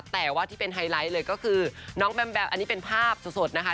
แต่ว่าที่เป็นไฮไลท์เลยก็คือน้องแบมแบมอันนี้เป็นภาพสดนะคะ